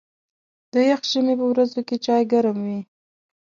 د یخ ژمي په ورځو کې چای ګرم وي.